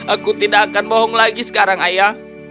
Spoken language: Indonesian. aku tidak akan bohong lagi sekarang ayah